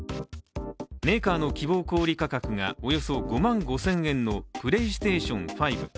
メーカーの希望小売価格がおよそ５万５０００円のプレイステーション５。